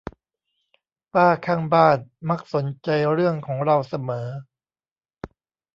ป้าข้างบ้านมักสนใจเรื่องของเราเสมอ